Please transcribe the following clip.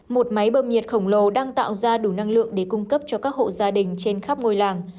một máy bơm nhiệt khổng lồ đang tạo ra đủ năng lượng để cung cấp cho các hộ gia đình trên khắp ngôi làng